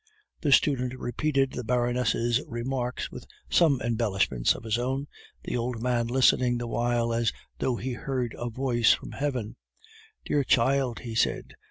The student repeated the Baroness' remarks with some embellishments of his own, the old man listening the while as though he heard a voice from Heaven. "Dear child!" he said.